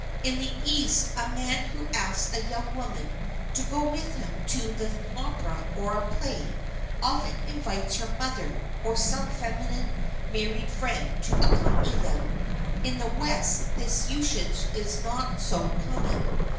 In the East a man who asks a young woman to go with him to the opera or the play, often invites her mother or some feminine married friend to accompany them. In the West this usage is not so common.